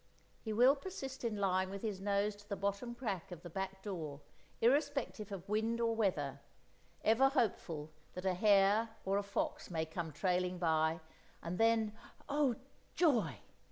He will persist in lying with his nose to the bottom crack of the back door, irrespective of wind or weather, ever hopeful that a hare or a fox may come trailing by; and then—oh joy!